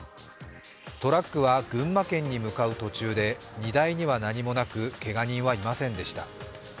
トラックは群馬県に向かう途中で荷台には何もなく、けが人はいませんでした。